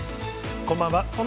こんばんは。